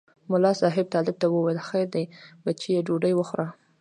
ملا صاحب طالب ته وویل خیر دی بچیه ډوډۍ وخوره.